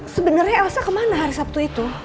sebenarnya elsa kemana hari sabtu itu